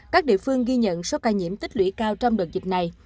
các địa phương ghi nhận số ca nhiễm tích lũy cao trong đợt dịch này